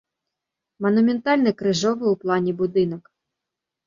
Манументальны крыжовы ў плане будынак.